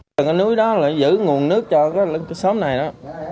cái núi đó là giữ nguồn nước cho cái xóm này đó